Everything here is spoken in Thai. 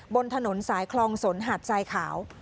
บนถนนสายคลองสนหาดทรายขาว